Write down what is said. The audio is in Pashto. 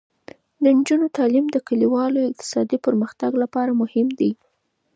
د نجونو تعلیم د کلیوالو اقتصادي پرمختګ لپاره مهم دی.